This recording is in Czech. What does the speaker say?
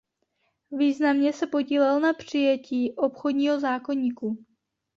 Významně se podílel na přijetí obchodního zákoníku.